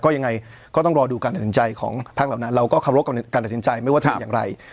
ยังไงก็ต้องรอดูการตัดสินใจของพักเหล่านั้นเราก็เคารพกับการตัดสินใจไม่ว่าจะเป็นอย่างไร